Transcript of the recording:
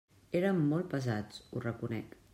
Érem molt pesats, ho reconec.